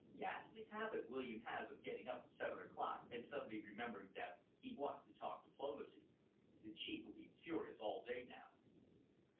Ghastly habit William has of getting up at seven o'clock and suddenly remembering that he wants to talk diplomacy. The Chief will be furious all day now."